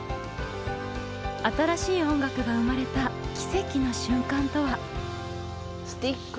新しい音楽が生まれた奇跡の瞬間とは。